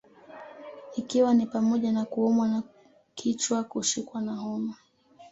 Ikiwa ni pamoja na kuumwa na kichwakushikwa na homa